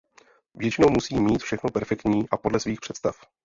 Většinou musí mít všechno perfektní a podle svých představ.